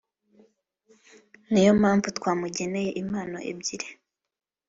niyo mpamvu twamugeneye impano ebyiri